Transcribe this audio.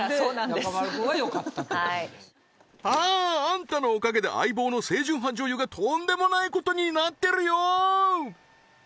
中丸君はよかったとああーあんたのおかげで相棒の清純派女優がとんでもないことになってるよ